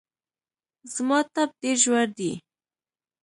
زما ټپ ډېر ژور دی